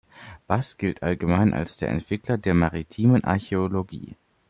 Bass gilt allgemein als der Entwickler der maritimen Archäologie.